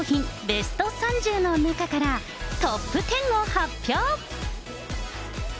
ベスト３０の中から、トップ１０を発表。